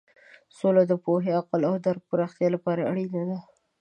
سوله د پوهې، عقل او درک پراختیا لپاره اړینه ده.